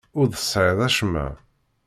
Ur d-tesɣiḍ acemma.